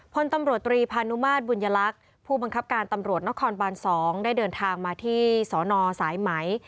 พลตำรวจตรีพานุมาตรบุญยลักษณ์ผู้บังคับการตำรวจนครบาน๒ได้เดินทางมาที่สนสายไหม